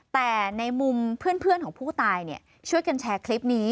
แต่ในมุมเพื่อนของผู้ตายช่วยกันแชร์คลิปนี้